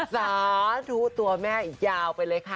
สาธุตัวแม่อีกยาวไปเลยค่ะ